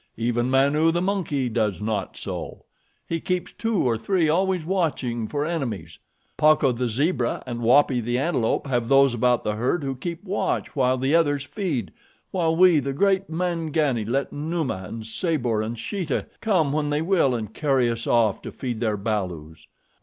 Even Manu, the monkey, does not so. He keeps two or three always watching for enemies. Pacco, the zebra, and Wappi, the antelope, have those about the herd who keep watch while the others feed, while we, the great Mangani, let Numa, and Sabor, and Sheeta come when they will and carry us off to feed their balus.